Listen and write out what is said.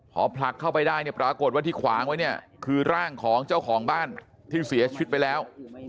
พอผลักเข้าไปได้เนี่ยปรากฏว่าที่ขวางไว้เนี่ยคือร่างของเจ้าของบ้านที่เสียชีวิตไปแล้ว